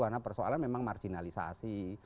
karena persoalan memang marginalisasi